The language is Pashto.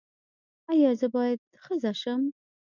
ایا زه باید ښځه شم؟